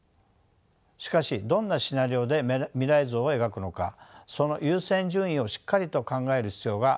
しかしどんなシナリオで未来像を描くのかその優先順位をしっかりと考える必要がありそうです。